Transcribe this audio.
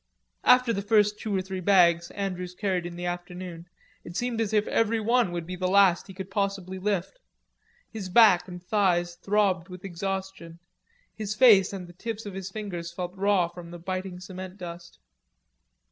After the first two or three bags Andrews carried in the afternoon, it seemed as if every one would be the last he could possibly lift. His back and thighs throbbed with exhaustion; his face and the tips of his fingers felt raw from the biting cement dust.